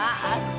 はい。